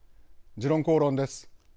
「時論公論」です。